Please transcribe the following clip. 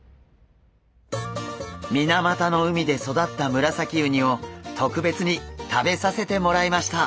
水俣の海で育ったムラサキウニを特別に食べさせてもらいました。